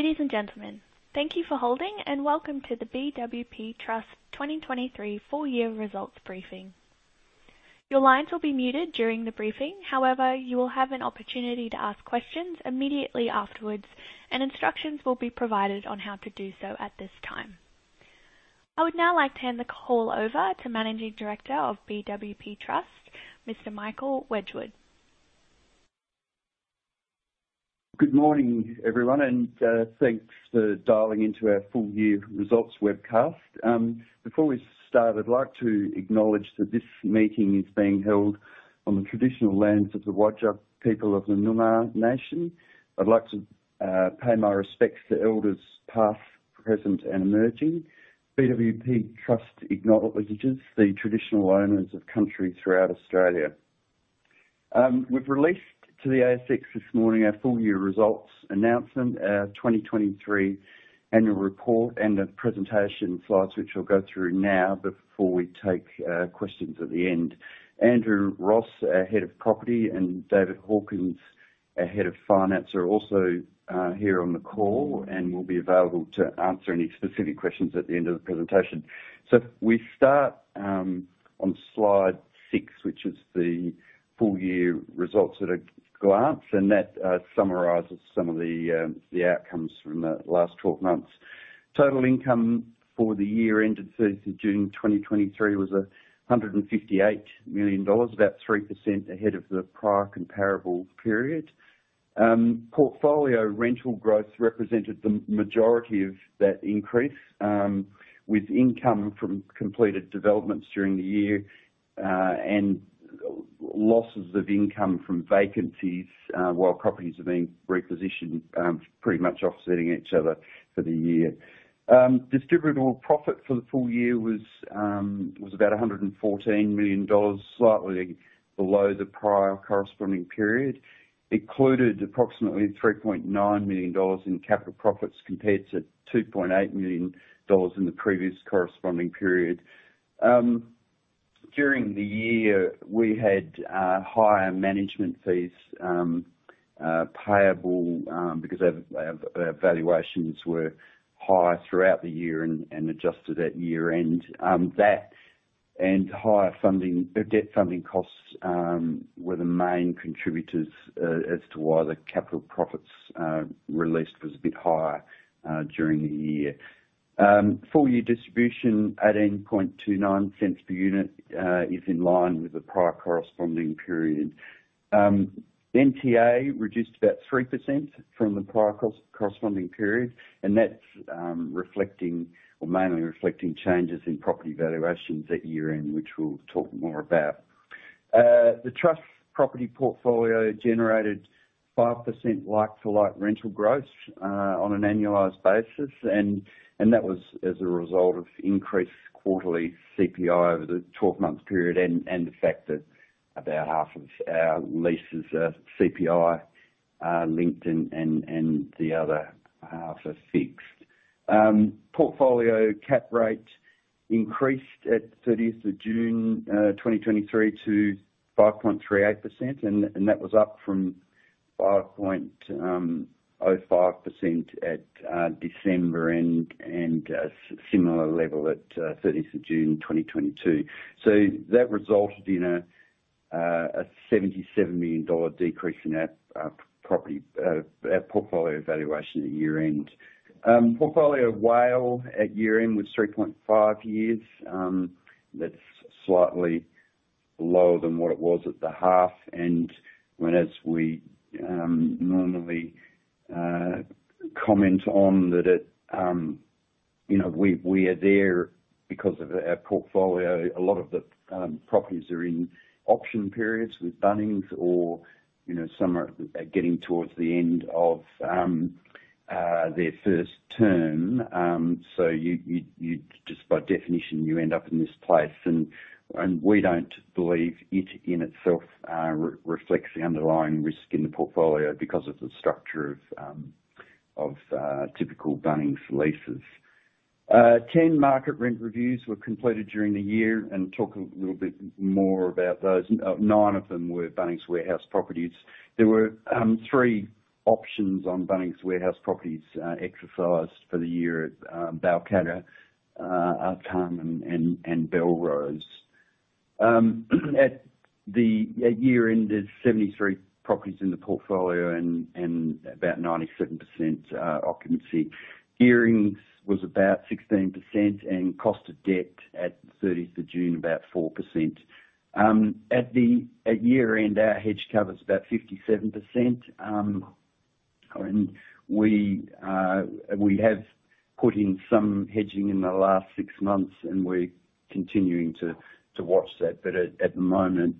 Ladies and gentlemen, thank you for holding. Welcome to the BWP Trust 2023 full year results briefing. Your lines will be muted during the briefing. However, you will have an opportunity to ask questions immediately afterwards. Instructions will be provided on how to do so at this time. I would now like to hand the call over to Managing Director of BWP Trust, Mr. Michael Wedgwood. Good morning, everyone, thanks for dialing into our full year results webcast. Before we start, I'd like to acknowledge that this meeting is being held on the traditional lands of the Whadjuk people of the Noongar Nation. I'd like to pay my respects to elders, past, present, and emerging. BWP Trust acknowledges the traditional owners of country throughout Australia. We've released to the ASX this morning our full year results announcement, our 2023 annual report, and the presentation slides, which we'll go through now before we take questions at the end. Andrew Ross, our Head of Property, and David Hawkins, our Head of Finance, are also here on the call and will be available to answer any specific questions at the end of the presentation. We start on slide six, which is the full year results at a glance, and that summarizes some of the outcomes from the last 12 months. Total income for the year ended June 30, 2023, was 158 million dollars, about 3% ahead of the prior comparable period. Portfolio rental growth represented the majority of that increase, with income from completed developments during the year, and losses of income from vacancies, while properties are being repositioned, pretty much offsetting each other for the year. Distributable profit for the full year was about 114 million dollars, slightly below the prior corresponding period. It included approximately 3.9 million dollars in capital profits, compared to 2.8 million dollars in the previous corresponding period. During the year, we had higher management fees payable because our valuations were high throughout the year and adjusted at year-end. That and higher funding debt funding costs were the main contributors as to why the capital profits released was a bit higher during the year. Full year distribution, 0.1829 per unit, is in line with the prior corresponding period. NTA reduced about 3% from the prior corresponding period, and that's reflecting or mainly reflecting changes in property valuations at year-end, which we'll talk more about. The trust property portfolio generated 5% like-for-like rental growth on an annualized basis, that was as a result of increased quarterly CPI over the 12-month period, and the fact that about half of our leases are CPI linked and the other half are fixed. Portfolio cap rate increased at 30th of June 2023 to 5.38%, that was up from 5.05% at December, and a similar level at 30th of June 2022. That resulted in a 77 million dollar decrease in our property portfolio valuation at year-end. Portfolio WALE at year-end was 3.5 years. That's slightly lower than what it was at the half, as we, normally, comment on that it, you know, we, we are there because of our portfolio. A lot of the properties are in option periods with Bunnings or, you know, some are getting towards the end of, their first term. You, you, you just by definition, you end up in this place and, and we don't believe it, in itself, reflects the underlying risk in the portfolio because of the structure of, of, typical Bunnings leases. 10 market rent reviews were completed during the year. Talk a little bit more about those. Nine of them were Bunnings Warehouse properties. There were three options on Bunnings Warehouse properties exercised for the year at Balcatta, Artarmon and Belrose. At the year-end, there's 73 properties in the portfolio and about 97% occupancy. Gearing was about 16% and cost of debt at 30th of June, about 4%. At year-end, our hedge cover is about 57%. We have put in some hedging in the last six months, and we're continuing to watch that. At the moment,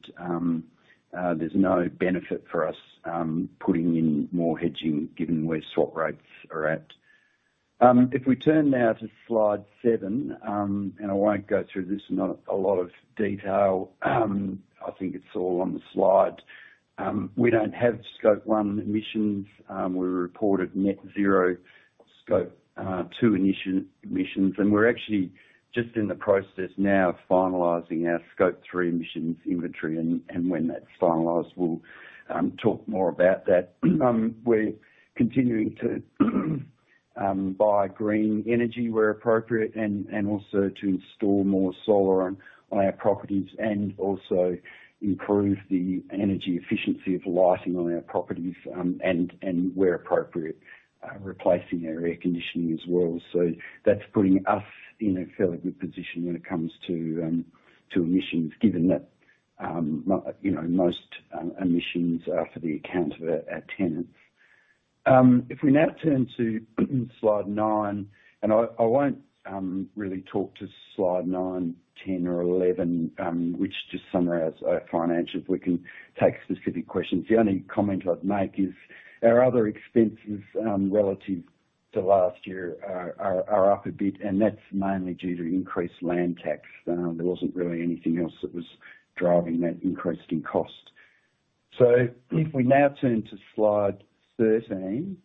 there's no benefit for us putting in more hedging given where swap rates are at. If we turn now to slide seven, I won't go through this in a lot of detail, I think it's all on the slide. We don't have Scope 1 emissions. We reported net zero Scope 2 emissions, and we're actually just in the process now of finalizing our Scope 3 emissions inventory, and when that's finalized, we'll talk more about that. We're continuing to buy green energy where appropriate, and also to install more solar on our properties, and also improve the energy efficiency of lighting on our properties, and where appropriate, replacing our air conditioning as well. That's putting us in a fairly good position when it comes to emissions, given that, you know, most emissions are for the account of our tenants. If we now turn to slide nine, and I won't really talk to slide nine, 10, or 11, which just summarizes our financials. We can take specific questions. The only comment I'd make is our other expenses, relative to last year are, are, are up a bit, and that's mainly due to increased land tax. There wasn't really anything else that was driving that increase in cost. If we now turn to slide 13,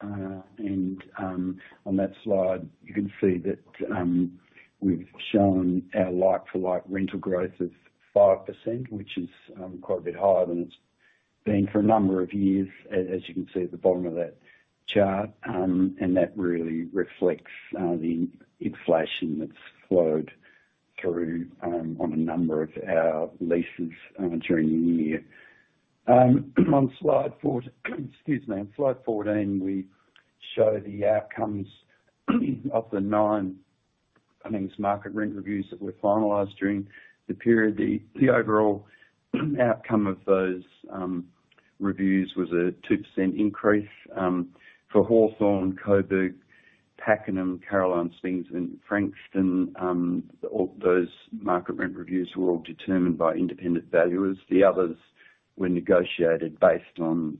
and on that slide, you can see that we've shown our like-for-like rental growth of 5%, which is quite a bit higher than it's been for a number of years, as, as you can see at the bottom of that chart. And that really reflects the inflation that's flowed through on a number of our leases during the year. On slide 14 excuse me, on slide 14, we show the outcomes of the nine Bunnings market rent reviews that were finalized during the period. The overall outcome of those reviews was a 2% increase for Hawthorn, Coburg, Pakenham, Caroline Springs, and Frankston. All those market rent reviews were all determined by independent valuers. The others were negotiated based on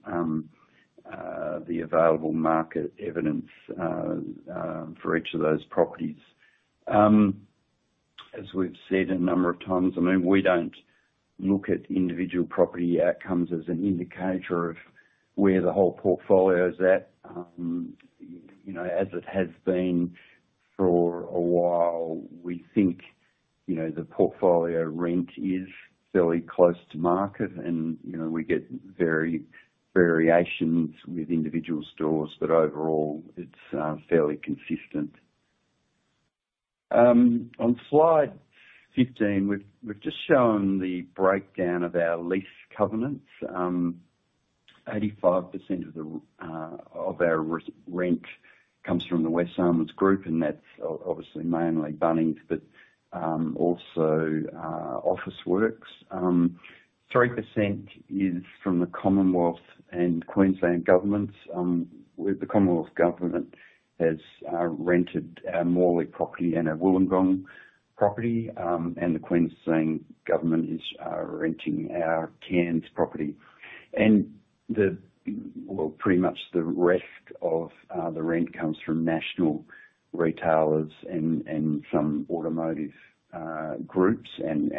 the available market evidence for each of those properties. As we've said a number of times, I mean, we don't look at individual property outcomes as an indicator of where the whole portfolio is at. You know, as it has been for a while, we think, you know, the portfolio rent is fairly close to market and, you know, we get very variations with individual stores, but overall, it's fairly consistent. On slide 15, we've, we've just shown the breakdown of our lease covenants. 85% of the rent comes from the Wesfarmers Group, and that's obviously mainly Bunnings, but also Officeworks. 3% is from the Commonwealth and Queensland Governments. With the Commonwealth Government has rented our Morley property and our Wollongong property, and the Queensland Government is renting our Cairns property. Well, pretty much the rest of the rent comes from national retailers and some automotive groups and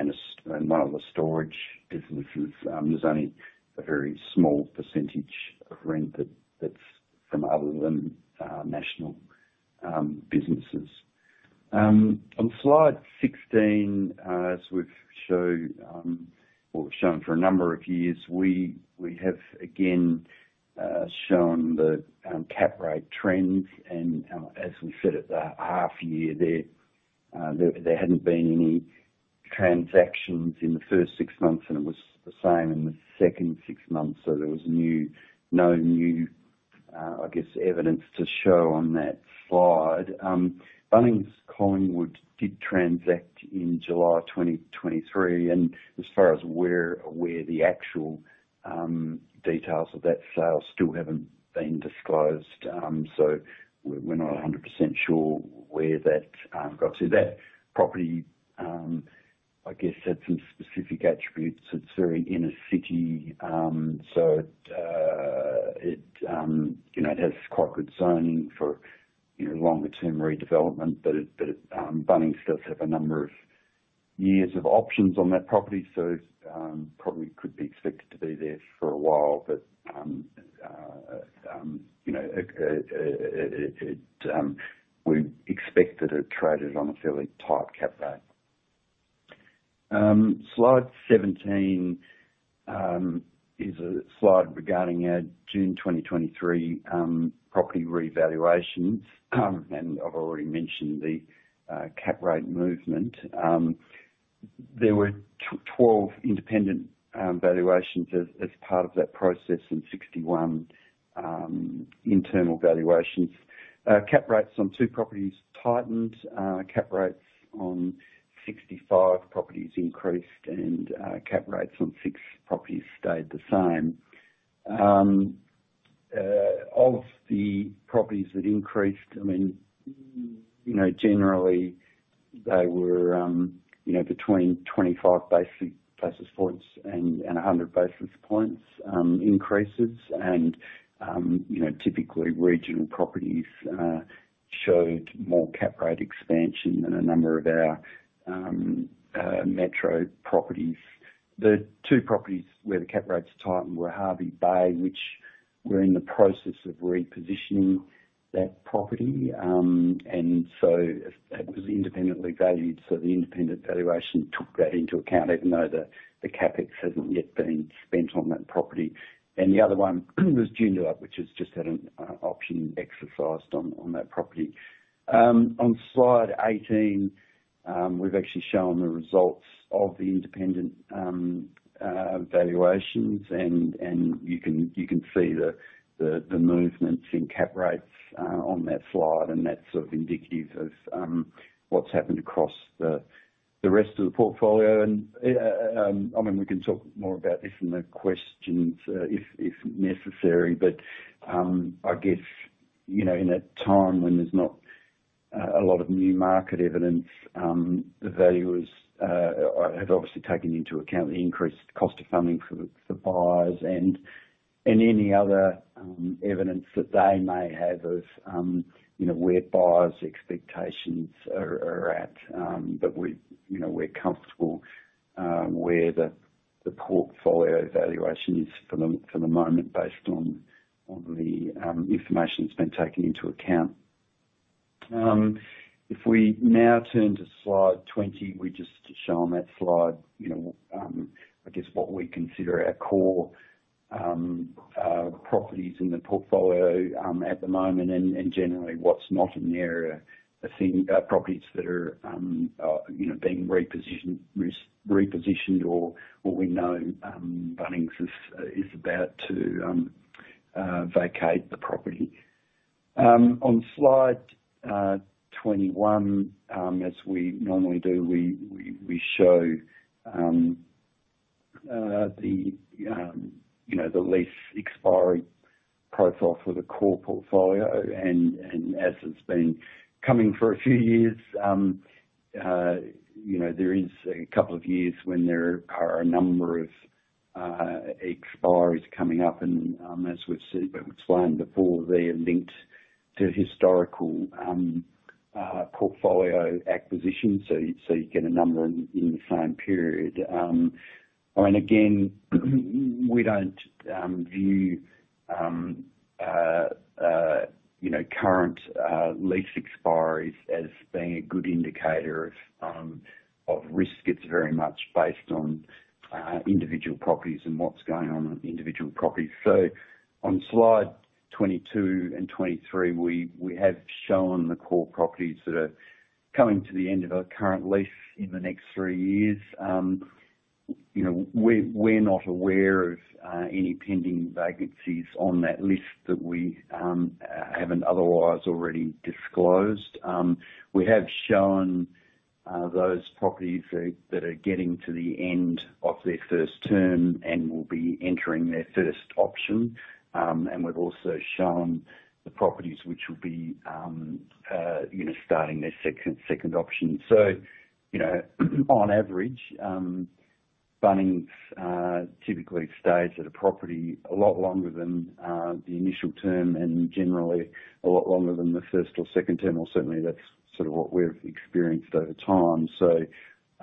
one of the storage businesses. There's only a very small percentage of rent that's from other than national businesses. On slide 16, as we've shown, what we've shown for a number of years, we, we have again, shown the cap rate trends and, as we said at the half year, there, there, there hadn't been any transactions in the first six months, and it was the same in the second six months, there was new, no new, I guess, evidence to show on that slide. Bunnings Collingwood did transact in July 2023, and as far as we're aware, the actual details of that sale still haven't been disclosed. We're, we're not 100% sure where that got to. That property, I guess, had some specific attributes. It's very inner city, so it, it, you know, it has quite good zoning for, you know, longer term redevelopment, but it, but it, Bunnings does have a number of years of options on that property, so probably could be expected to be there for a while. You know, it, it, we expected it traded on a fairly tight cap rate. Slide 17 is a slide regarding our June 2023 property revaluation. I've already mentioned the cap rate movement. There were 12 independent valuations as part of that process and 61 internal valuations. Cap rates on two properties tightened, cap rates on 65 properties increased and cap rates on six properties stayed the same. Of the properties that increased, I mean, you know, generally they were, you know, between 25 basis points and 100 basis points increases, you know, typically regional properties showed more cap rate expansion than a number of our metro properties. The two properties where the cap rates tightened were Hervey Bay, which we're in the process of repositioning that property. It was independently valued, so the independent valuation took that into account, even though the CapEx hasn't yet been spent on that property. The other one was Joondalup, which has just had an option exercised on that property. On slide 18, we've actually shown the results of the independent valuations, and, and you can, you can see the, the, the movements in cap rates on that slide, and that's sort of indicative of what's happened across the, the rest of the portfolio. I mean, we can talk more about this in the questions, if, if necessary. I guess, you know, in a time when there's not a lot of new market evidence, the valuers have obviously taken into account the increased cost of funding for the, the buyers and, and any other evidence that they may have of, you know, where buyers' expectations are, are at. We, you know, we're comfortable where the portfolio valuation is for the moment, based on the information that's been taken into account. If we now turn to slide 20, we just show on that slide, you know, I guess, what we consider our core properties in the portfolio at the moment, and generally what's not in the area. I think properties that are, you know, being repositioned, res- repositioned or, or we know, Bunnings is about to vacate the property. On slide 21, as we normally do, we, we, we show the, you know, the lease expiry profile for the core portfolio. As it's been coming for a few years, you know, there is a couple of years when there are a number of expiries coming up and, as we've seen, explained before, they are linked to historical portfolio acquisitions. You get a number in the same period. Again, we don't view, you know, current lease expiries as being a good indicator of risk. It's very much based on individual properties and what's going on with individual properties. On slide 22 and 23, we have shown the core properties that are coming to the end of our current lease in the next three years. You know, we're not aware of any pending vacancies on that list that we haven't otherwise already disclosed. We have shown those properties that, that are getting to the end of their first term and will be entering their first option. We've also shown the properties which will be, you know, starting their second, second option. You know, on average, Bunnings typically stays at a property a lot longer than the initial term and generally a lot longer than the first or second term, or certainly that's sort of what we've experienced over time.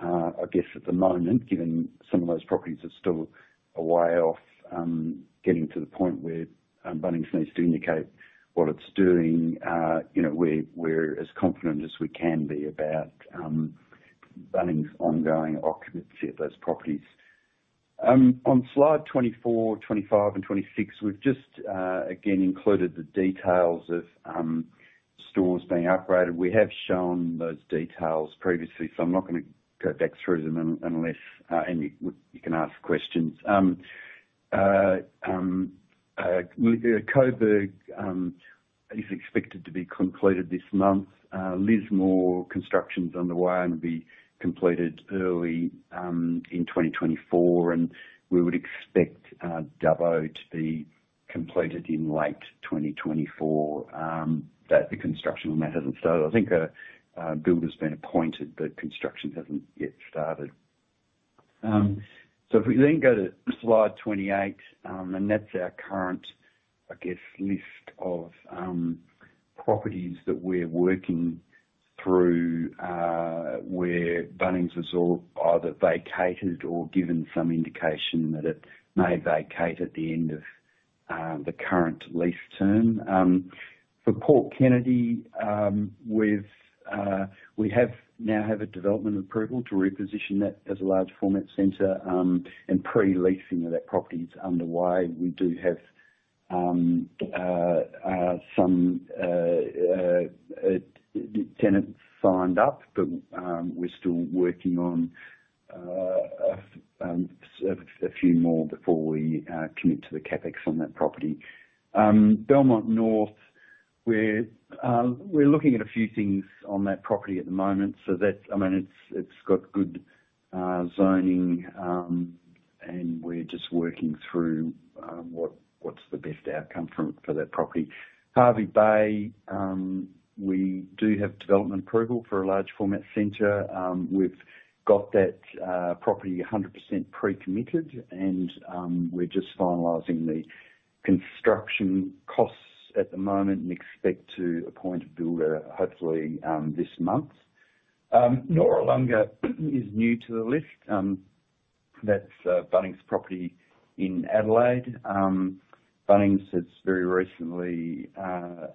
I guess at the moment, given some of those properties are still a way off, getting to the point where Bunnings needs to indicate what it's doing, you know, we're, we're as confident as we can be about Bunnings' ongoing occupancy at those properties. On slide 24, 25, and 26, we've just again included the details of stores being upgraded. We have shown those details previously, I'm not gonna go back through them unless and you, you can ask questions. Coburg is expected to be completed this month. Lismore construction's underway and will be completed early in 2024, and we would expect Dubbo to be completed in late 2024. That the construction on that hasn't started. I think a builder's been appointed, but construction hasn't yet started. If we then go to slide 28, that's our current, I guess, list of properties that we're working through, where Bunnings has all either vacated or given some indication that it may vacate at the end of the current lease term. For Port Kennedy, we've we have now have a development approval to reposition that as a large format center, pre-leasing of that property is underway. We do have some tenants signed up, we're still working on a few more before we commit to the CapEx on that property. Belmont North, we're we're looking at a few things on that property at the moment. That... I mean, it's, it's got good zoning, we're just working through what, what's the best outcome from, for that property. Hervey Bay, we do have development approval for a large format center. We've got that property 100% pre-committed, we're just finalizing the construction costs-... at the moment, expect to appoint a builder, hopefully, this month. Noarlunga is new to the list. That's Bunnings property in Adelaide. Bunnings has very recently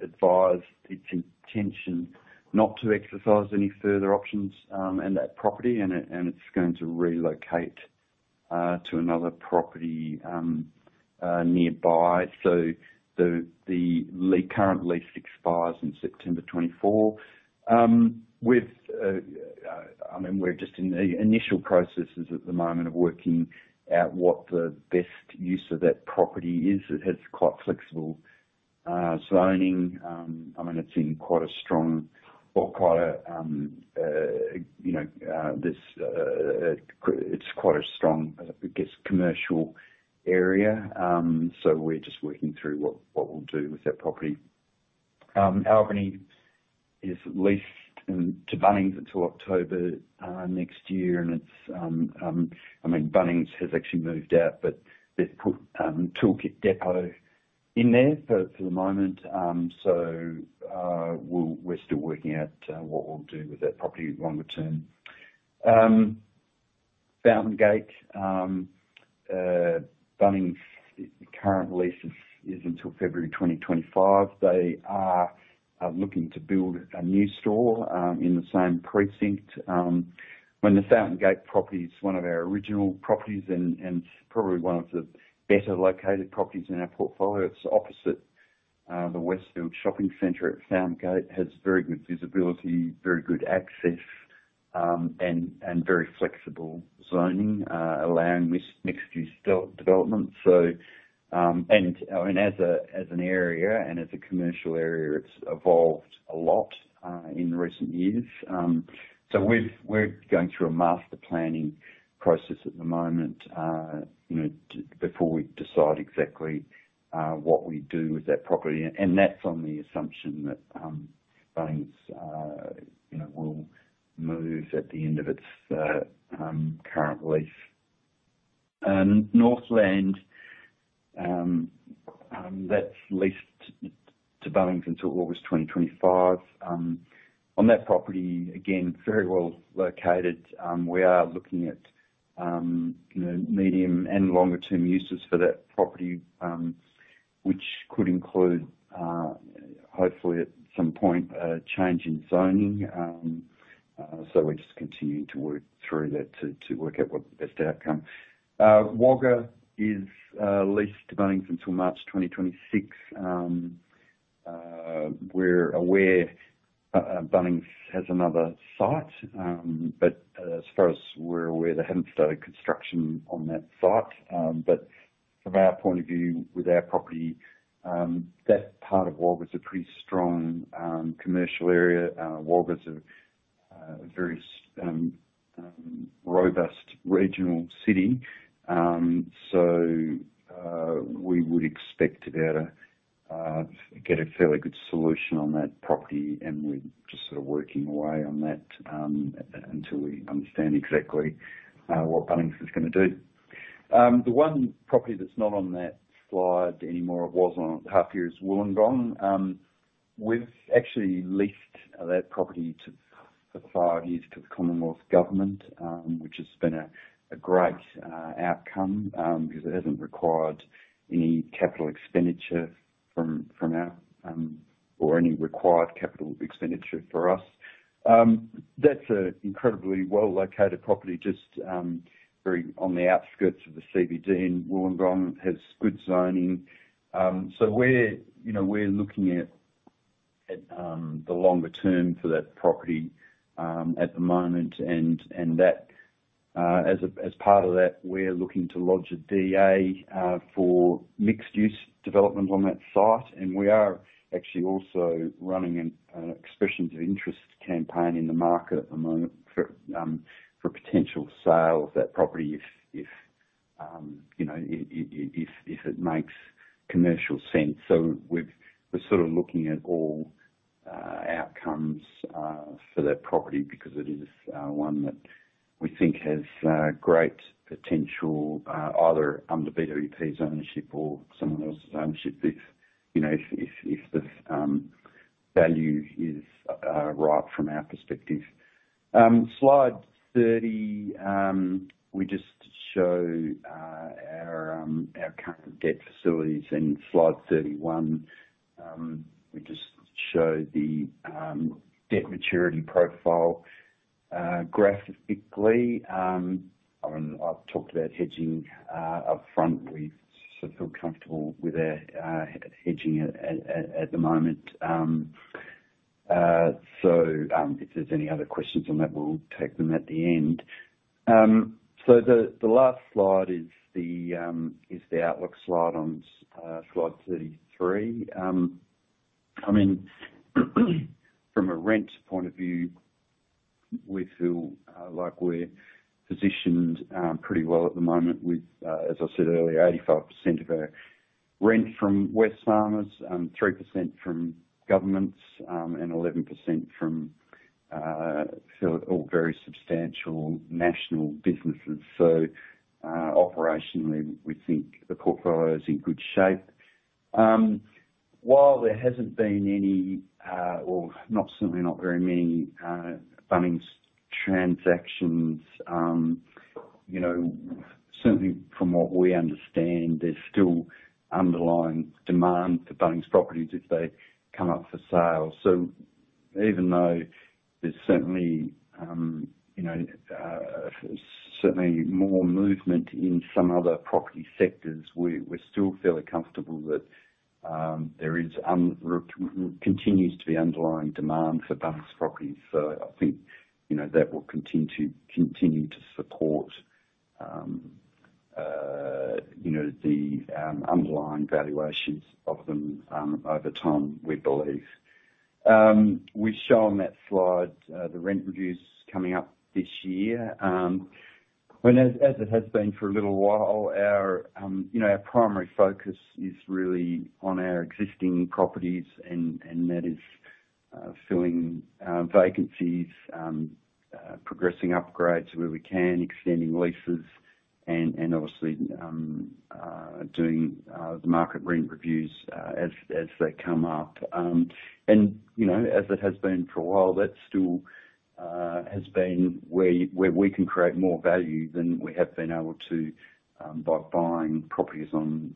advised its intention not to exercise any further options in that property, and it's going to relocate to another property nearby. The current lease expires in September 2024. With, I mean, we're just in the initial processes at the moment of working out what the best use of that property is. It has quite flexible zoning. I mean, it's in quite a strong or quite a, you know, this, it's quite a strong, I guess, commercial area. We're just working through what, what we'll do with that property. Albany is leased to Bunnings until October next year, and it's, I mean, Bunnings has actually moved out, but they've put Tool Kit Depot in there for the moment. We're still working out what we'll do with that property longer term. Fountain Gate, Bunnings, current lease is until February 2025. They are looking to build a new store in the same precinct. The Fountain Gate property is one of our original properties and probably one of the better located properties in our portfolio. It's opposite the Westfield Shopping Centre at Fountain Gate, has very good visibility, very good access, and very flexible zoning, allowing this mixed-use development. I mean, as a, as an area and as a commercial area, it's evolved a lot in recent years. we've- we're going through a master planning process at the moment, you know, before we decide exactly what we do with that property. That's on the assumption that Bunnings, you know, will move at the end of its current lease. Northland, that's leased to Bunnings until August 2025. On that property, again, very well located. We are looking at, you know, medium and longer term uses for that property, which could include, hopefully at some point, a change in zoning. we're just continuing to work through that to, to work out what the best outcome. Wagga is leased to Bunnings until March 2026. We're aware Bunnings has another site, but as far as we're aware, they haven't started construction on that site. From our point of view, with our property, that part of Wagga is a pretty strong commercial area. Wagga is a very robust regional city. We would expect to be able to get a fairly good solution on that property, and we're just sort of working away on that, until we understand exactly what Bunnings is gonna do. The one property that's not on that slide anymore, it was on half year, is Wollongong. We've actually leased that property to, for five years to the Commonwealth Government, which has been a, a great outcome, because it hasn't required any capital expenditure from our, or any required capital expenditure for us. That's a incredibly well-located property, just very on the outskirts of the CBD, and Wollongong has good zoning. We're, you know, we're looking at, at the longer term for that property at the moment, and that as a, as part of that, we're looking to lodge a DA for mixed-use development on that site. We are actually also running an, an expression to interest campaign in the market at the moment for potential sale of that property if, if, you know, if, if it makes commercial sense. We've, we're sort of looking at all outcomes for that property, because it is one that we think has great potential either under BWP's ownership or someone else's ownership if, you know, if, if, if the value is right from our perspective. Slide 30, we just show our current debt facilities. Slide 31, we just show the debt maturity profile graphically. I mean, I've talked about hedging upfront. We sort of feel comfortable with our hedging at, at, at the moment. If there's any other questions on that, we'll take them at the end. The last slide is the outlook slide on slide 33. I mean, from a rent point of view, we feel like we're positioned pretty well at the moment with, as I said earlier, 85% of our rent from Wesfarmers, 3% from governments, and 11% so all very substantial national businesses. Operationally, we think the portfolio is in good shape. While there hasn't been any, or not, certainly not very many, Bunnings transactions, you know, certainly from what we understand, there's still underlying demand for Bunnings properties if they come up for sale. Even though there's certainly, you know, certainly more movement in some other property sectors, we, we're still fairly comfortable that, there is continues to be underlying demand for Bunnings properties. I think, you know, that will continue to, continue to support, you know, the underlying valuations of them over time, we believe. We've shown on that slide, the rent reviews coming up this year. Well, as, as it has been for a little while, our, you know, our primary focus is really on our existing properties, and, and that is, filling vacancies, progressing upgrades where we can, extending leases and, and obviously, doing the market rent reviews, as, as they come up. You know, as it has been for a while, that still has been where, where we can create more value than we have been able to, by buying properties on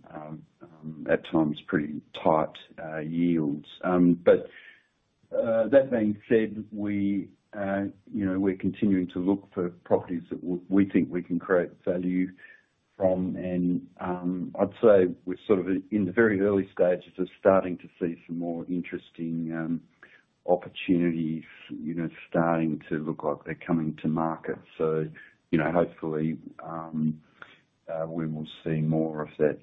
at times pretty tight yields. That being said, we, you know, we're continuing to look for properties that we think we can create value from. I'd say we're sort of in the very early stages of starting to see some more interesting opportunities, you know, starting to look like they're coming to market. You know, hopefully, we will see more of that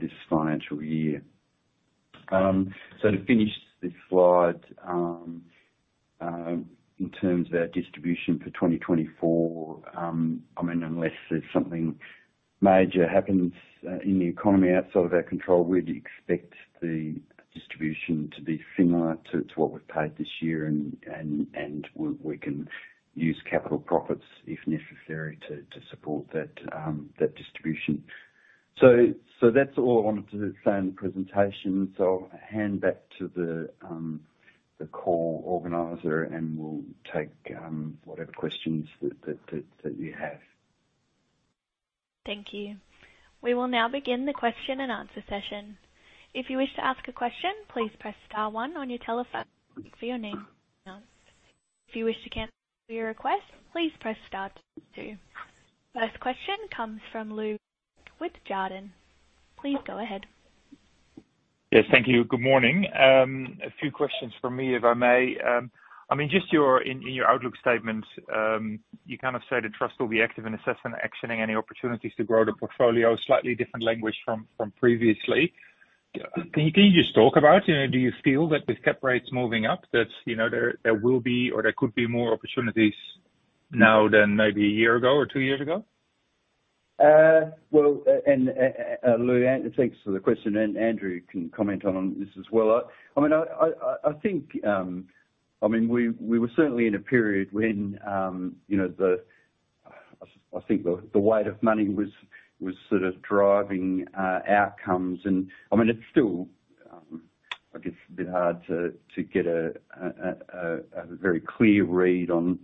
this financial year. To finish this slide, in terms of our distribution for 2024, I mean, unless there's something major happens in the economy outside of our control, we'd expect the distribution to be similar to what we've paid this year, and we can use capital profits, if necessary, to support that distribution. That's all I wanted to say on the presentation. I'll hand back to the call organizer, and we'll take whatever questions that, that, that, that you have. Thank you. We will now begin the question and answer session. If you wish to ask a question, please press star one on your telephone for your name. If you wish to cancel your request, please press star two. First question comes from Lou Pirenc with Jarden. Please go ahead. Yes, thank you. Good morning. A few questions from me, if I may. I mean, just in your outlook statement, you kind of say the trust will be active in assessing and actioning any opportunities to grow the portfolio. Slightly different language from previously. Can you just talk about, you know, do you feel that with cap rates moving up, that, you know, there will be, or there could be more opportunities now than maybe a year ago or two years ago? Well, and, and, Lou, thanks for the question, and Andrew can comment on this as well. I, I mean, I, I, I think, I mean, we, we were certainly in a period when, you know, the, I think the, the weight of money was, was sort of driving outcomes. I mean, it's still, I guess a bit hard to, to get a very clear read on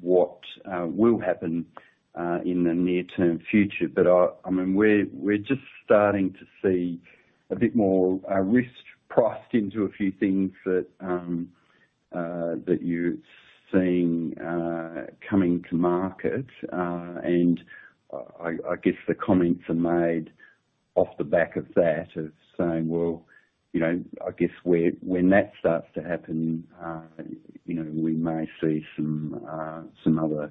what will happen in the near term future. I mean, we're, we're just starting to see a bit more risk priced into a few things that you're seeing coming to market. I, I guess the comments are made off the back of that, as saying, well, you know, I guess when, when that starts to happen, you know, we may see some, some other,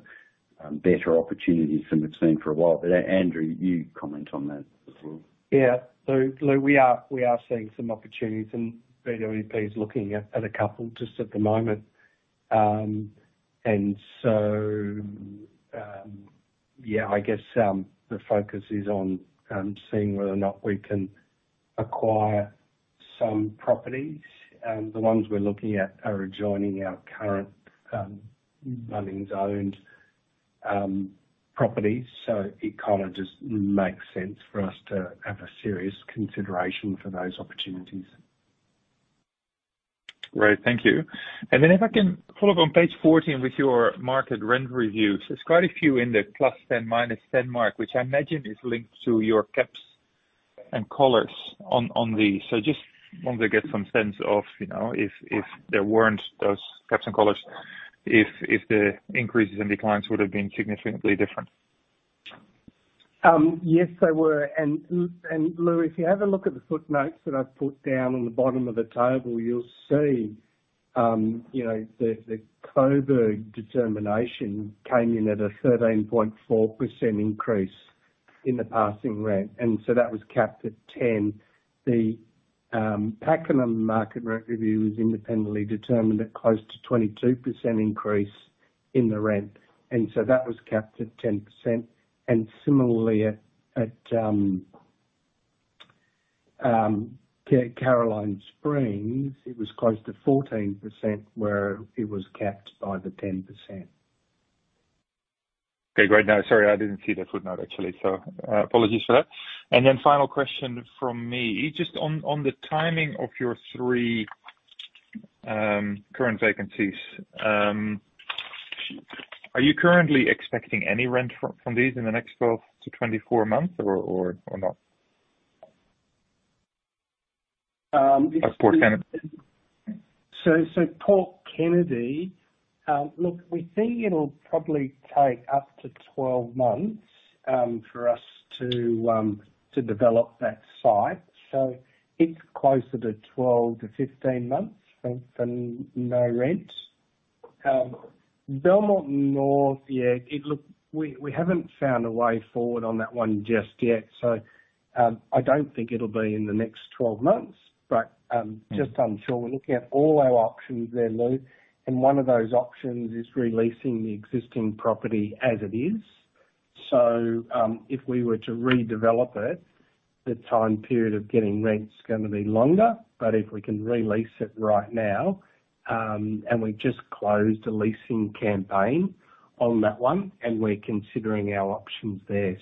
better opportunities than we've seen for a while. Andrew, you comment on that as well. Yeah. Lou, we are seeing some opportunities, and BWP is looking at a couple just at the moment. Yeah, I guess, the focus is on seeing whether or not we can acquire some properties. The ones we're looking at are adjoining our current Bunnings zoned properties. It kind of just makes sense for us to have a serious consideration for those opportunities. Great. Thank you. Then if I can follow up on page 14 with your market rent reviews, there's quite a few in the +10, -10 mark, which I imagine is linked to your caps and colors on, on the... Just want to get some sense of, you know, if, if there weren't those caps and collars, if, if the increases and declines would have been significantly different? Yes, they were. Lou, if you have a look at the footnotes that I've put down on the bottom of the table, you'll see, you know, the Coburg determination came in at a 13.4% increase in the passing rent, and so that was capped at 10. The Pakenham market rent review was independently determined at close to 22% increase in the rent, and so that was capped at 10%, and similarly at Caroline Springs, it was close to 14%, where it was capped by the 10%. Okay, great. No, sorry, I didn't see the footnote, actually, so, apologies for that. Then final question from me, just on, on the timing of your three current vacancies, are you currently expecting any rent from, from these in the next 12 months-24 months or, or, or not? Um, At Port Kennedy. Port Kennedy, look, we think it'll probably take up to 12 months for us to develop that site, so it's closer to 12 months-15 months than no rent. Belmont North, yeah, it look, we haven't found a way forward on that one just yet, so I don't think it'll be in the next 12 months, but just unsure. We're looking at all our options there, Lou, and one of those options is releasing the existing property as it is. If we were to redevelop it, the time period of getting rent is gonna be longer, but if we can re-lease it right now, we've just closed a leasing campaign on that one, and we're considering our options there.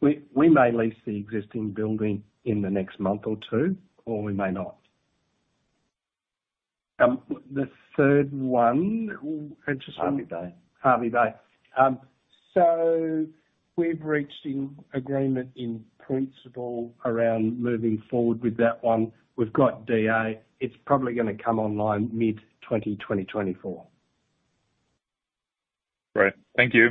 We, we may lease the existing building in the next month or two, or we may not. The third one, we're. Hervey Bay. Hervey Bay. So we've reached an agreement in principle around moving forward with that one. We've got DA, it's probably gonna come online mid-2024. Great. Thank you.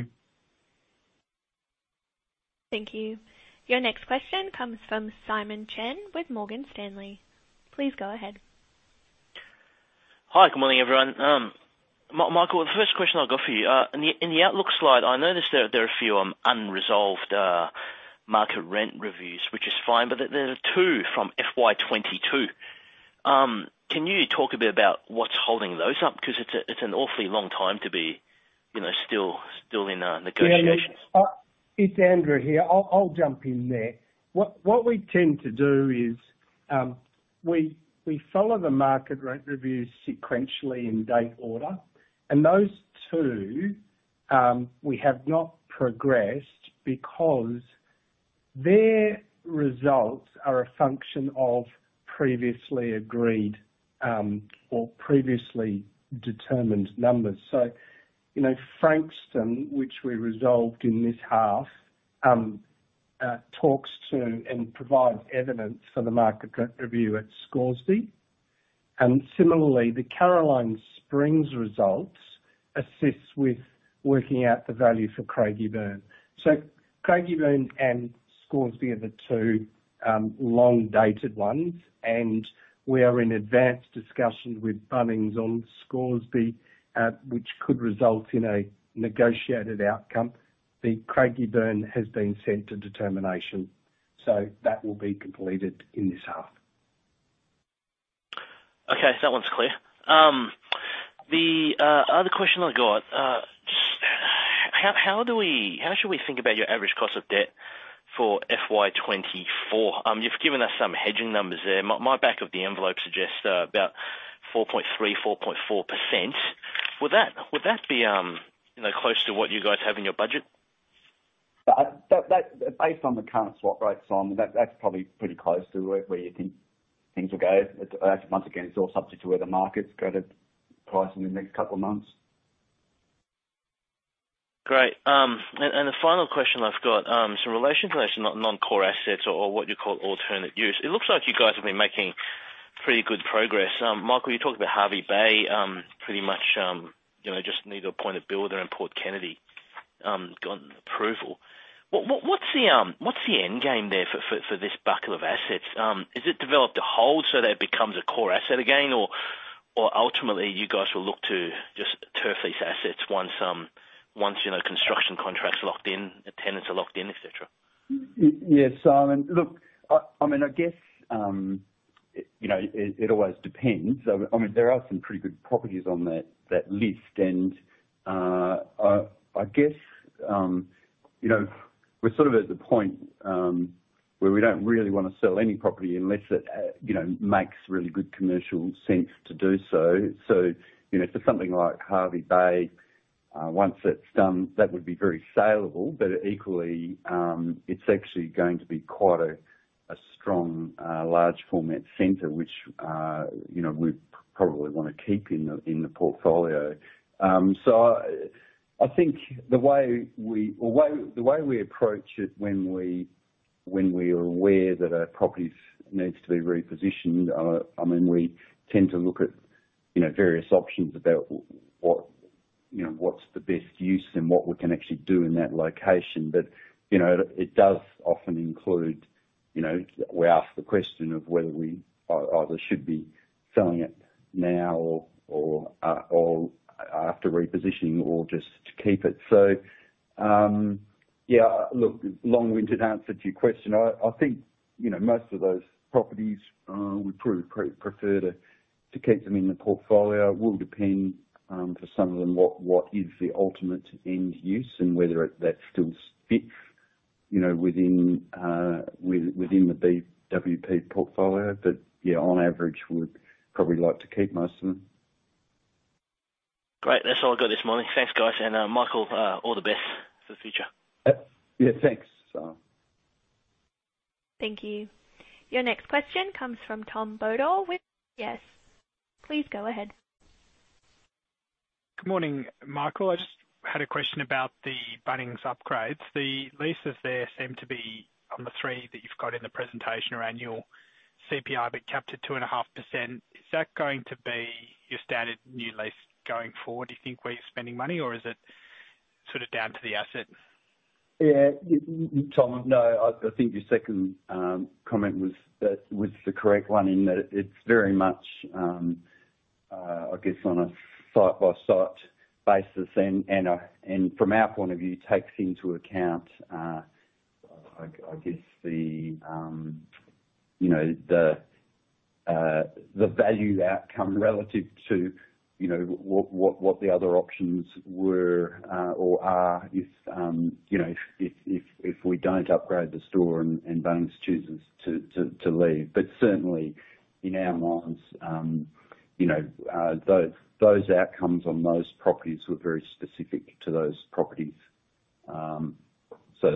Thank you. Your next question comes from Simon Chan with Morgan Stanley. Please go ahead. Hi, good morning, everyone. Michael, the first question I've got for you, in the outlook slide, I noticed that there are a few unresolved market rent reviews, which is fine, but there are two from FY 2022. Can you talk a bit about what's holding those up? Because it's an awfully long time to be, you know, still in negotiations. Yeah, yeah. It's Andrew here. I'll, I'll jump in there. What, what we tend to do is, we, we follow the market rent reviews sequentially in date order, and those two, we have not progressed because their results are a function of previously agreed, or previously determined numbers. You know, Frankston, which we resolved in this half, talks to and provides evidence for the market rent review at Scoresby, and similarly, the Caroline Springs results assist with working out the value for Craigieburn. Craigieburn and Scoresby are the two, long-dated ones, and we are in advanced discussions with Bunnings on Scoresby, which could result in a negotiated outcome. The Craigieburn has been sent to determination, so that will be completed in this half. That one's clear. The other question I've got, how should we think about your average cost of debt for FY 2024? You've given us some hedging numbers there. My back of the envelope suggests about 4.3%-4.4%. Would that, would that be, you know, close to what you guys have in your budget? Based on the current swap rates, Simon, that's probably pretty close to where you think things will go. Once again, it's all subject to where the markets go to price in the next couple of months. Great. The final question I've got. In relation to those non-core assets or what you call alternative use, it looks like you guys have been making pretty good progress. Michael, you talked about Hervey Bay pretty much, you know, just need to appoint a builder and Port Kennedy gotten approval. What's the end game there for this buckle of assets? Is it developed to hold so that it becomes a core asset again? Ultimately, you guys will look to just turf these assets once, once, you know, construction contracts are locked in, the tenants are locked in, et cetera. Yes, Simon. Look, I mean, I guess, you know, it always depends. I mean, there are some pretty good properties on that list, and I guess, you know, we're sort of at the point where we don't really want to sell any property unless it, you know, makes really good commercial sense to do so. So, you know, for something like Hervey Bay, once that's done, that would be very saleable, but equally, it's actually going to be quite a strong large format center, which, you know, we probably want to keep in the portfolio. I, I think the way we, or way, the way we approach it when we, when we are aware that a property needs to be repositioned, I mean, we tend to look at, you know, various options about what, you know, what's the best use and what we can actually do in that location. You know, it does often include, you know, we ask the question of whether we either should be selling it now or, or after repositioning or just to keep it. Yeah, look, long-winded answer to your question. I, I think, you know, most of those properties. Well, we'd prefer to, to keep them in the portfolio. It will depend, for some of them, what is the ultimate end use and whether that still fits, you know, within, within, within the BWP portfolio. Yeah, on average, we'd probably like to keep most of them. Great. That's all I've got this morning. Thanks, guys. Michael, all the best for the future. Yeah, thanks. Thank you. Your next question comes from Tom Bodor with UBS. Please go ahead. Good morning, Michael. I just had a question about the Bunnings upgrades. The leases there seem to be, on the three that you've got in the presentation, around your CPI, but capped at 2.5%. Is that going to be your standard new lease going forward, do you think, where you're spending money, or is it sort of down to the asset? Yeah, Tom, no, I, I think your second comment was that, was the correct one, in that it's very much, I guess, on a site-by-site basis, and, and from our point of view, takes into account, I, I guess, the, you know, the, the value outcome relative to, you know, what, what, what the other options were, or are, if, you know, if, if, if we don't upgrade the store and, and Bunnings chooses to, to, to leave. Certainly in our minds, you know, those, those outcomes on those properties were very specific to those properties.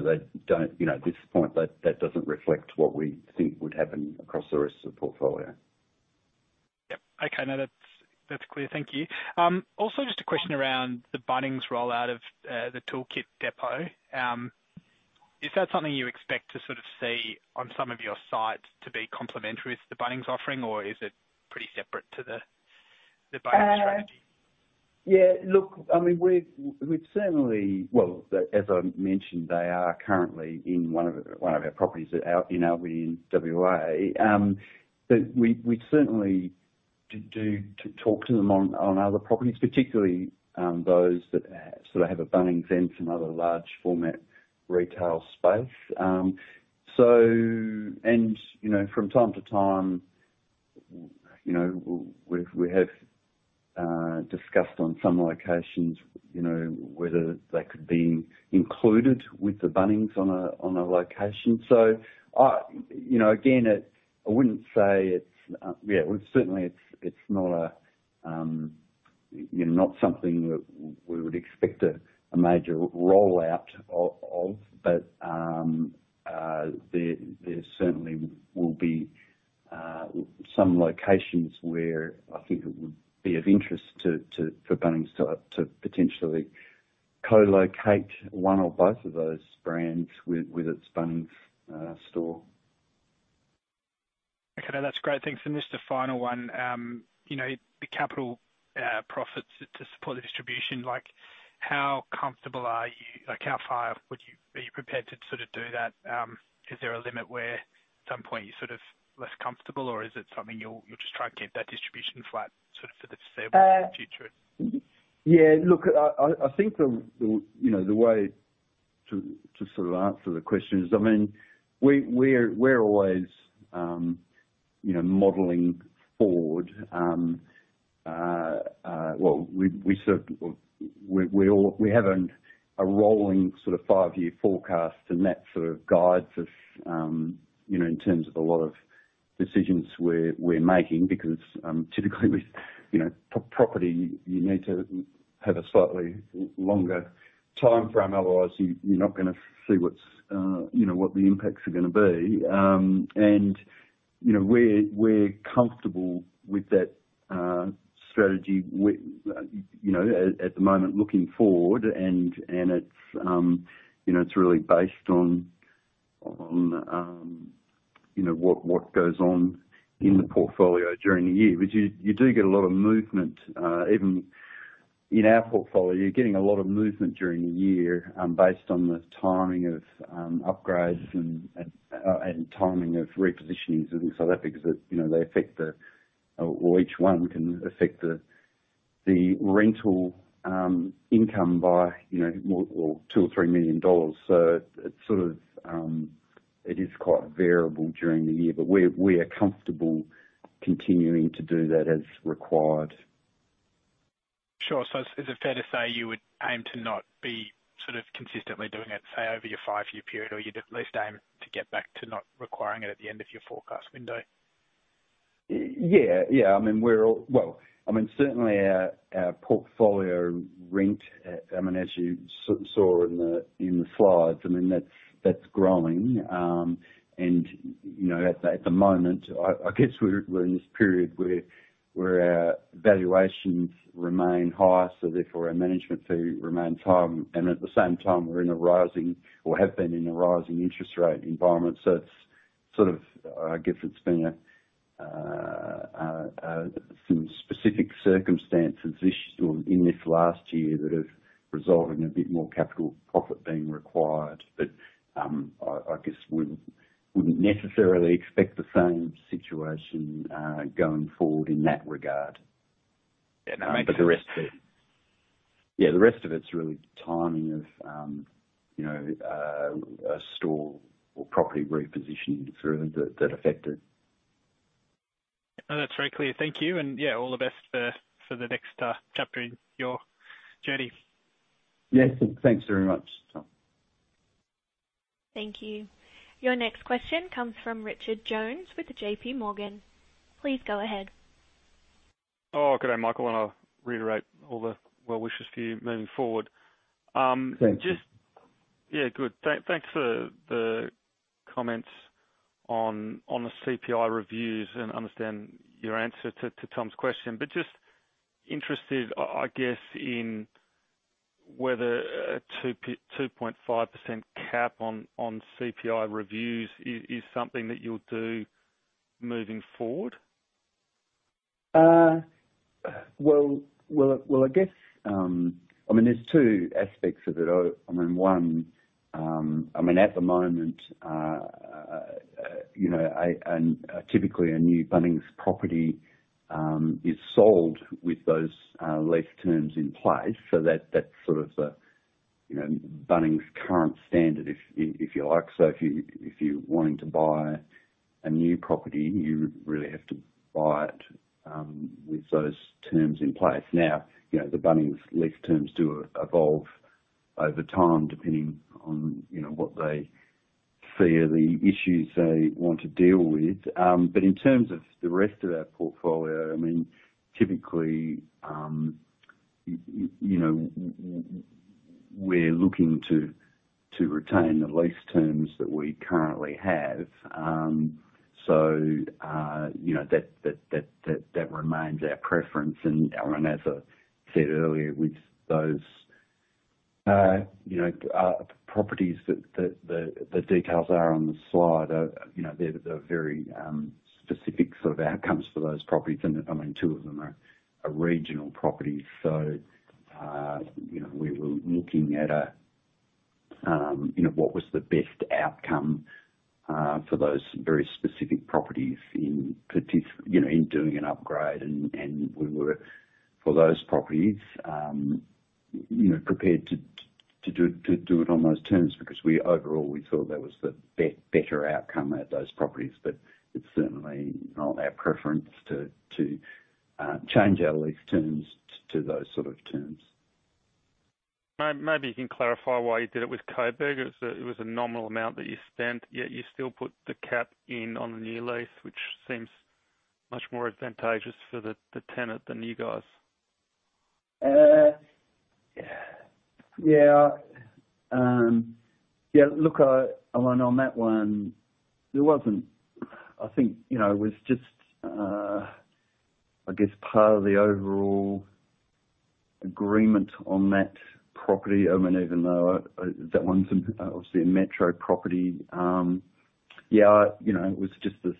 They don't, you know, at this point, that, that doesn't reflect what we think would happen across the rest of the portfolio. Yep. Okay, now that's, that's clear. Thank you. Also, just a question around the Bunnings rollout of, the Tool Kit Depot. Is that something you expect to sort of see on some of your sites to be complementary to the Bunnings offering, or is it pretty separate to the, the Bunnings strategy? Yeah, look, I mean, we've certainly. Well, as I mentioned, they are currently in one of our properties out in Albany in WA. We certainly do talk to them on other properties, particularly, those that sort of have a Bunnings and some other large format retail space. You know, from time to time, you know, we've, we have discussed on some locations, you know, whether they could be included with the Bunnings on a location.I, you know, again, I wouldn't say it's, yeah, well, certainly it's, it's not a, you know, not something that we would expect a major rollout of, but there, there certainly will be some locations where I think it would be of interest to, to, for Bunnings to, to potentially co-locate one or both of those brands with, with its Bunnings store. Okay, that's great. Thanks. Just a final one, you know, the capital profits to support the distribution, like, how comfortable are you? Like, how far would you be prepared to sort of do that? Is there a limit where at some point you're sort of less comfortable, or is it something you'll, you'll just try to keep that distribution flat sort of for the foreseeable future? Yeah, look, I, I, I think the, the, you know, the way to, to sort of answer the question is, I mean, we, we're, we're always, you know, modeling forward. Well, we, we sort of- we, we all, we have an, a rolling sort of five-year forecast, and that sort of guides us, you know, in terms of a lot of decisions we're, we're making, because, typically with, you know, p-property, you need to have a slightly longer timeframe, otherwise you're, you're not gonna see what's, you know, what the impacts are gonna be. You know, we're, we're comfortable with that, strategy w- you know, at, at the moment, looking forward, and, and it's, you know, it's really based on, on, you know, what, what goes on in the portfolio during the year. You, you do get a lot of movement, even in our portfolio, you're getting a lot of movement during the year, based on the timing of upgrades and, and, and timing of repositionings and things like that, because, you know, they affect the, or each one can affect the, the rental income by, you know, 2 million or 3 million dollars. It's sort of, it is quite variable during the year, but we're, we are comfortable continuing to do that as required. Sure. Is it fair to say you would aim to not be sort of consistently doing it, say, over your five-year period, or you'd at least aim to get back to not requiring it at the end of your forecast window? Yeah. Yeah, I mean, we're all Well, I mean, certainly our, our portfolio rent, I mean, as you saw in the slides, I mean, that's, that's growing. You know, at the moment, I guess we're in this period where our valuations remain high, so therefore our management fee remains high. At the same time, we're in a rising, or have been in a rising interest rate environment. It's sort of, I guess it's been some specific circumstances this, or in this last year, that have resulted in a bit more capital profit being required. I guess we wouldn't necessarily expect the same situation going forward in that regard. Yeah, no, make sense. Yeah, the rest of it's really timing of, you know, a store or property repositioning through that, that affected. No, that's very clear. Thank you, and yeah, all the best for, for the next chapter in your journey. Yeah, thanks very much, Tom. Thank you. Your next question comes from Richard Jones with JPMorgan. Please go ahead. Oh, good day, Michael. I want to reiterate all the well wishes for you moving forward. Thank you. Yeah, good. Thanks for the comments on, on the CPI reviews and understand your answer to, to Tom's question. Just interested, I, I guess, in whether a 2.5% cap on, on CPI reviews is, is something that you'll do moving forward? Well, well, well, I guess, I mean, there's two aspects of it. I mean, one, I mean, at the moment, you know, and typically a new Bunnings property is sold with those lease terms in place. That, that's sort of the, you know, Bunnings current standard if, if you like. If you, if you're wanting to buy a new property, you really have to buy it with those terms in place. You know, the Bunnings lease terms do evolve over time, depending on, you know, what they fear, the issues they want to deal with. In terms of the rest of our portfolio, I mean, typically, you know, we're looking to, to retain the lease terms that we currently have. You know, that, that, that, that, that remains our preference. As I said earlier, with those, you know, properties that, that, the, the details are on the slide, you know, they're the very specific sort of outcomes for those properties. I mean, two of them are, are regional properties. So, you know, we were looking at a, you know, what was the best outcome for those very specific properties in particular, you know, in doing an upgrade. We were, for those properties, you know, prepared to do, to do it on those terms because we overall, we thought that was the better outcome at those properties. It's certainly not our preference to, to change our lease terms to those sort of terms. May-maybe you can clarify why you did it with Coburg? It was a nominal amount that you spent, yet you still put the cap in on the new lease, which seems much more advantageous for the tenant than you guys. Yeah. Yeah, look, I, I mean, on that one, there wasn't... I think, you know, it was just, I guess part of the overall agreement on that property. I mean, even though that one's obviously a metro property, yeah, you know, it was just the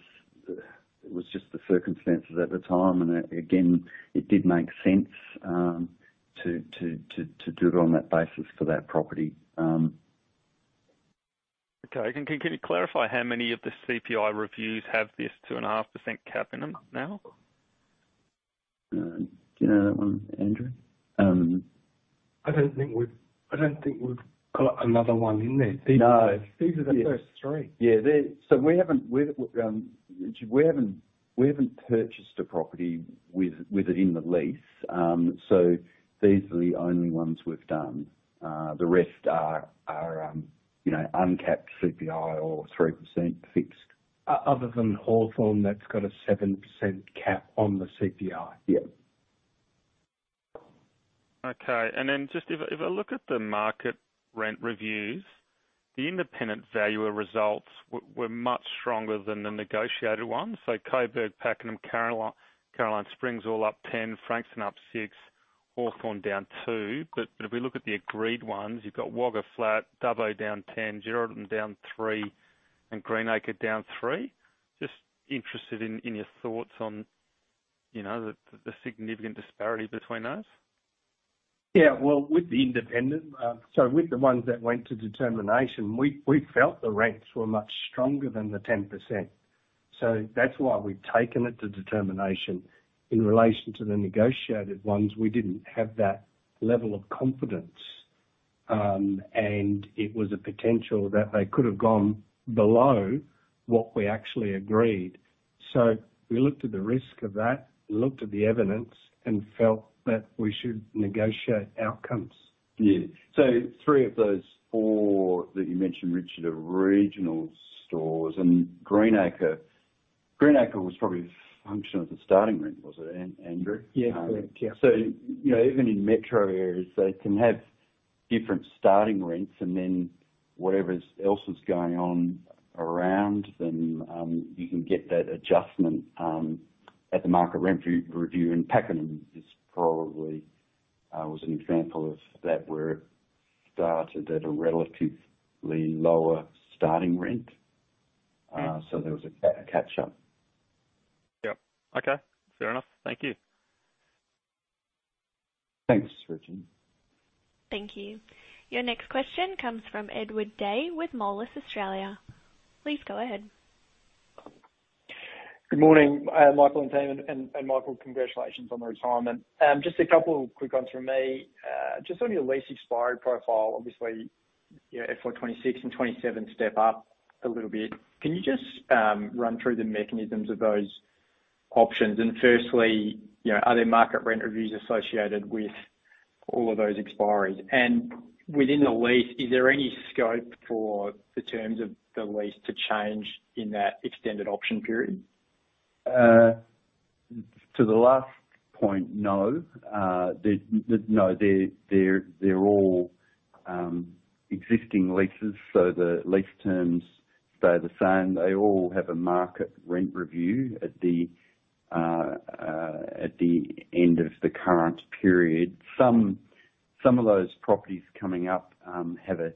circumstances at the time, and again, it did make sense to, to, to, to do it on that basis for that property. Okay. Can you clarify how many of the CPI reviews have this 2.5% cap in them now? Do you know that one, Andrew? I don't think we've, I don't think we've got another one in there. No. These are the first three. Yeah, we haven't, we've, we haven't, we haven't purchased a property with, with it in the lease. These are the only ones we've done. The rest are, are, you know, uncapped CPI or 3% fixed. Other than Hawthorn, that's got a 7% cap on the CPI. Yeah. Okay. Just if I, if I look at the market rent reviews, the independent valuer results were much stronger than the negotiated ones. Coburg, Pakenham, Caroline Springs, all up 10%, Frankston up 6%, Hawthorn down 2%. If we look at the agreed ones, you've got Wagga Flat, Dubbo down 10%, Geraldton down 3%, and Greenacre down 3%. Just interested in, in your thoughts on, you know, the, the significant disparity between those? Yeah, well, with the independent, so with the ones that went to determination, we, we felt the rents were much stronger than the 10%, so that's why we've taken it to determination. In relation to the negotiated ones, we didn't have that level of confidence, and it was a potential that they could have gone below what we actually agreed. We looked at the risk of that, looked at the evidence, and felt that we should negotiate outcomes. Yeah. three of those four that you mentioned, Richard, are regional stores and Greenacre, Greenacre was probably a function of the starting rent, was it Andrew? Yeah, correct. Yeah. You know, even in metro areas, they can have different starting rents and then whatever's else is going on around them, you can get that adjustment, at the market rent re-review, and Pakenham is probably, was an example of that, where it started at a relatively lower starting rent. There was a catch up. Yep. Okay, fair enough. Thank you. Thanks, Richard. Thank you. Your next question comes from Edward Day with Moelis Australia. Please go ahead.... Good morning, Michael and team. Michael, congratulations on the retirement. Just a couple of quick ones from me. Just on your lease expiry profile, obviously, you know, FY 2026 and 2027 step up a little bit. Can you just run through the mechanisms of those options? Firstly, you know, are there market rent reviews associated with all of those expiries? Within the lease, is there any scope for the terms of the lease to change in that extended option period? To the last point, no. They're, they're, they're all existing leases, so the lease terms stay the same. They all have a market rent review at the end of the current period. Some, some of those properties coming up have a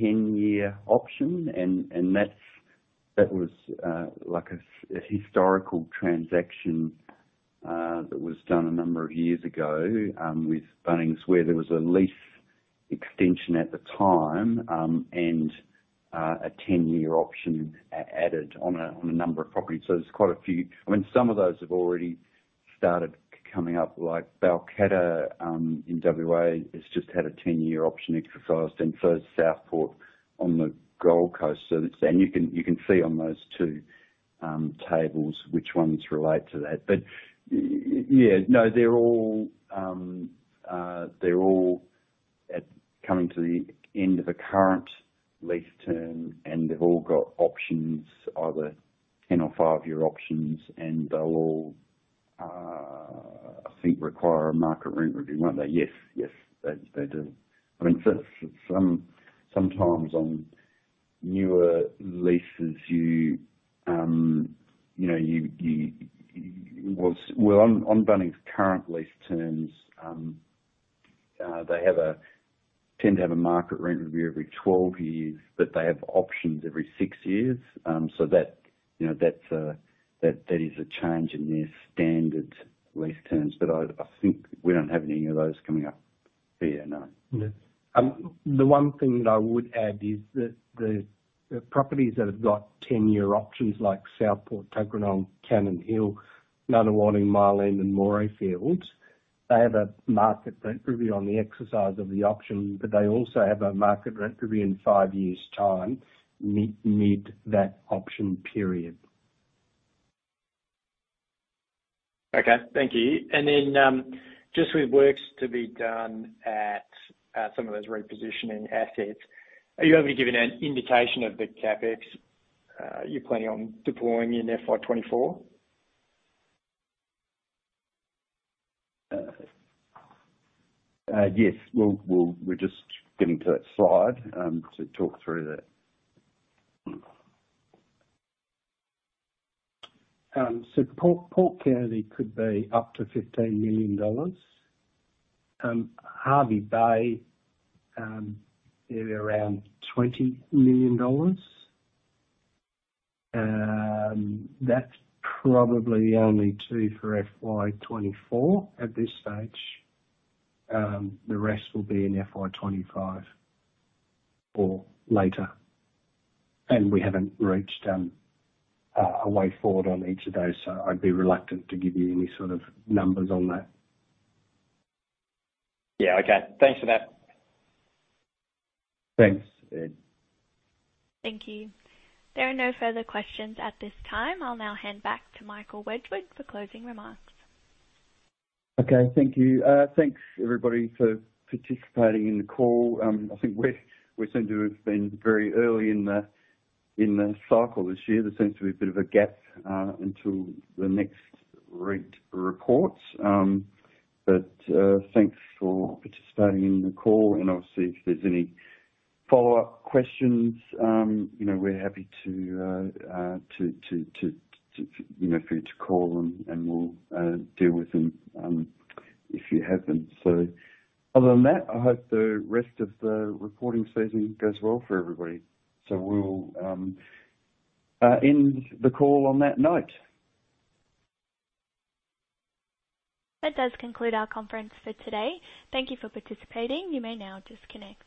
10-year option, and, and that's, that was like a, a historical transaction that was done a number of years ago with Bunnings, where there was a lease extension at the time, and a 10-year option added on a number of properties. There's quite a few. I mean, some of those have already started coming up, like Balcatta, in WA, it's just had a 10-year option exercised, and so has Southport on the Gold Coast. It's, and you can, you can see on those two tables which ones relate to that. Y-yeah. No, they're all, they're all at, coming to the end of a current lease term, and they've all got options, either 10 or five-year options, and they'll all, I think require a market rent review, won't they? Yes, yes, they, they do. I mean, some-sometimes on newer leases, you, you know, you, you... Was, well, on, on Bunnings' current lease terms, they have a, tend to have a market rent review every 12 years, but they have options every six years. That, you know, that's, that, that is a change in their standard lease terms, but I, I think we don't have any of those coming up. Yeah, no. Yeah. The one thing that I would add is that the properties that have got 10-year options like Southport, Tuggeranong, Cannon Hill, Nunawading, Morley, and Morayfield, they have a market rent review on the exercise of the option, but they also have a market rent review in five years' time, mid that option period. Okay, thank you. Just with works to be done at, at some of those repositioning assets, are you able to give an indication of the CapEx you're planning on deploying in FY 2024? Yes. We're just getting to that slide to talk through that. Port Macquarie could be up to 15 million dollars. Hervey Bay, maybe around 20 million dollars. That's probably only two for FY 2024 at this stage. The rest will be in FY 2025 or later, and we haven't reached a way forward on each of those, so I'd be reluctant to give you any sort of numbers on that. Yeah. Okay. Thanks for that. Thanks, Ed. Thank you. There are no further questions at this time. I'll now hand back to Michael Wedgwood for closing remarks. Okay. Thank you. Thanks, everybody, for participating in the call. I think we're, we seem to have been very early in the, in the cycle this year. There seems to be a bit of a gap until the next REIT reports. Thanks for participating in the call, and obviously, if there's any follow-up questions, you know, we're happy to, to, to, to, you know, for you to call them, and we'll deal with them if you have them. Other than that, I hope the rest of the reporting season goes well for everybody. We will end the call on that note. That does conclude our conference for today. Thank you for participating. You may now disconnect.